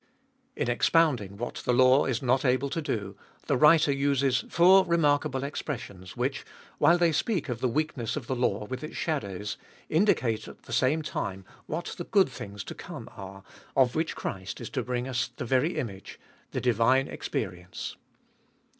In expounding what the law is not able to do, the writer uses four remarkable expressions which, while they speak of the weakness of the law with its shadows, indicate at the same time Dolfest of BIl 329 what the good things to come are, of which Christ is to bring us the very image, the divine experience.